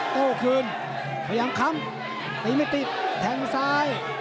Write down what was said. โต้คืนพยายามค้ำตีไม่ติดแทงซ้าย